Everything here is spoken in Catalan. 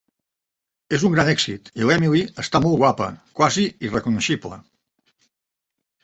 És un gran èxit i l'Emily està molt guapa, quasi irreconeixible.